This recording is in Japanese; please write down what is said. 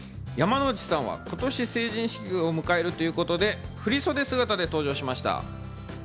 山之内さんは今年、成人式を迎えるということで振袖姿で登場しました。